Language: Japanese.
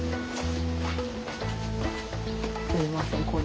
すみません。